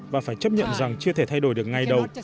và phải chấp nhận rằng chưa thể thay đổi được ngay đầu